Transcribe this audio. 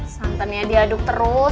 santannya diaduk terus